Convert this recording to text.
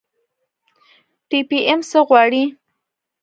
پي ټي ايم څه غواړي؟